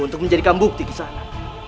untuk menjadikan bukti kisana